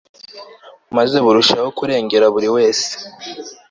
maze burushaho kurengera buri wese